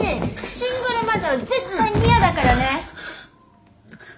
シングルマザーは絶対にヤダからねッ。